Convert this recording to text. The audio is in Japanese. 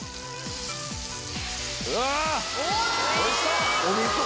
うわ！